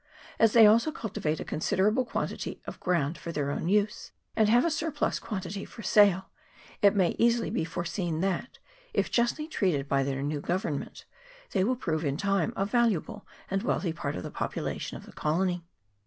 As they also cultivate a considerable quantity of ground for their own use, and have a surplus quantity for sale, it may easily be foreseen that, if justly treated by their new government, they will prove in time a valuable and wealthy part of the population of the colony.